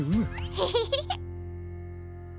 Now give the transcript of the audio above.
ヘヘヘヘ。